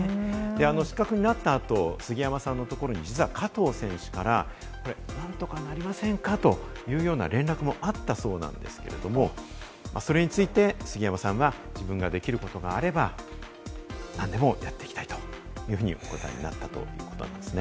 失格になった後、杉山さんのところに実は加藤選手から、何とかなりませんか？というような連絡もあったそうなんですけれども、それについて杉山さんは、自分ができることがあれば、何でもやっていきたいというふうにお答えになったということなんですね。